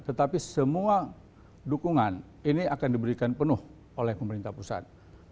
tetapi semua dukungan ini akan diberikan penuh oleh pemerintah pusat